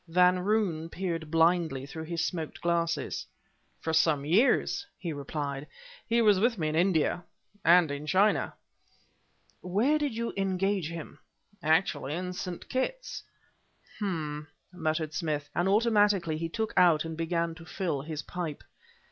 Van Roon peered blindly through his smoked glasses. "For some years," he replied; "he was with me in India and in China." "Where did you engage him?" "Actually, in St. Kitts." "H'm," muttered Smith, and automatically he took out and began to fill his pipe.